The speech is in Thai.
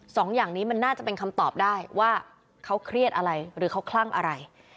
สองอย่างนี้มันน่าจะเป็นคำตอบได้ว่าเขาเครียดอะไรหรือเขาคลั่งอะไร